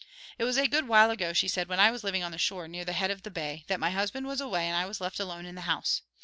"It was a good while ago," she said, "when I was living on the shore near the head of the bay, that my husband was away and I was left alone in the house.